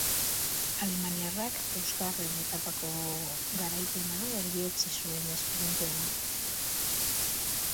Alemaniarrak bosgarren etapako garaipena erdietsi zuen esprintean.